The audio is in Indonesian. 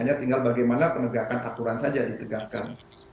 atau menegakkan aturan saja ditegakkan